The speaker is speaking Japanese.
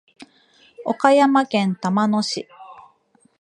岡山県玉野市